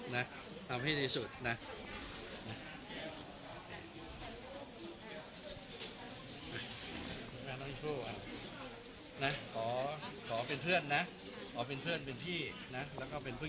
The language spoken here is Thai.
การเป็นพี่ได้พอนะขอเป็นเพื่อนนะขอเป็นเพื่อนเป็นพี่นะแล้วก็เป็นผู้